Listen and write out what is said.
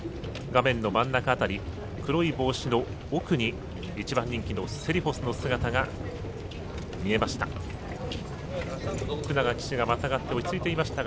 黒い帽子の奥に１番人気のセリフォスの姿が見えました。